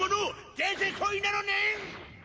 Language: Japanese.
出てこいなのねん！」